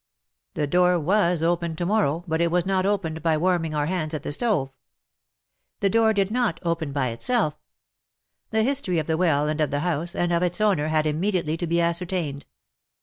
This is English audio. The door was open to morrow, but it was not opened by warming our hands at the stove. The door did not open by itself. The history of the well and of the house and of its owner had immediately to be ascertained.